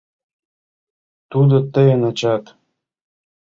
Тудо тыйын ачат!